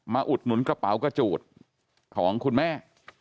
อุดหนุนกระเป๋ากระจูดของคุณแม่